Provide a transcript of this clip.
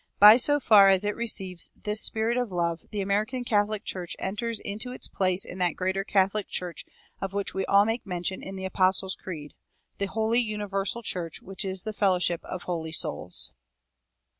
By so far as it receives this spirit of love the American Catholic Church enters into its place in that greater Catholic Church of which we all make mention in the Apostles' Creed "the Holy Universal Church, which is the fellowship of holy souls."